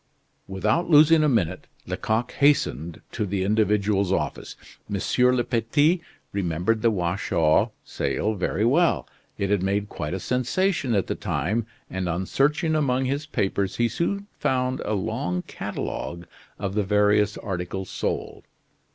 Without losing a minute, Lecoq hastened to this individual's office. M. Petit remembered the Watchau sale very well; it had made quite a sensation at the time, and on searching among his papers he soon found a long catalogue of the various articles sold.